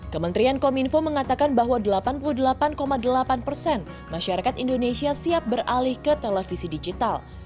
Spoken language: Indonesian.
kementerian kominfo mengatakan bahwa delapan puluh delapan delapan persen masyarakat indonesia siap beralih ke televisi digital